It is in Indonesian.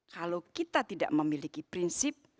kalau kita tidak memiliki prinsip